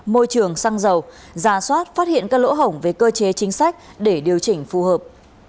môi trường xăng dầu giả soát phát hiện các lỗ hổng về cơ chế chính sách để điều chỉnh phù hợp